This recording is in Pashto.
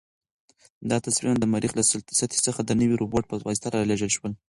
دا تصویرونه د مریخ له سطحې څخه د نوي روبوټ په واسطه رالېږل شوي.